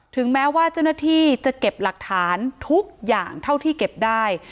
ถึงแม้ว่าเจ้าหน้าที่จะเก็บหลักฐานทุกอย่างเท่าที่เก็บได้